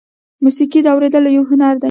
موسیقي د اورېدلو یو هنر دی.